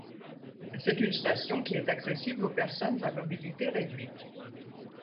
C'est une station qui est accessible aux personnes à mobilité réduite.